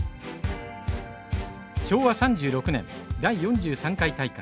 昭和３６年、第４３回大会。